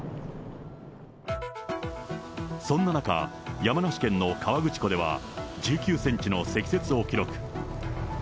そんな中、山梨県の河口湖では、１９センチの積雪を記録。